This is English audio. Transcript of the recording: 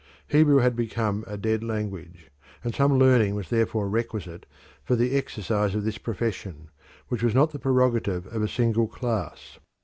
Hebrew had become a dead language, and some learning was therefore requisite for the exercise of this profession, which was not the prerogative of a single class.